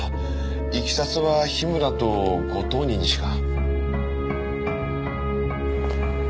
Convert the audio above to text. いきさつは樋村とご当人にしか。